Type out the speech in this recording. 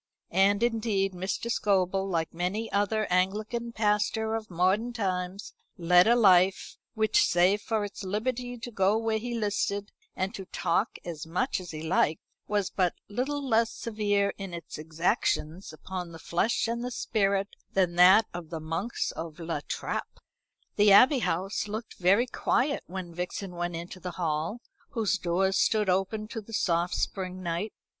And indeed Mr. Scobel, like many another Anglican pastor of modern times, led a life which, save for its liberty to go where he listed, and to talk as much as he liked, was but little less severe in its exactions upon the flesh and the spirit than that of the monks of La Trappe. The Abbey House looked very quiet when Vixen went into the hall, whose doors stood open to the soft spring night.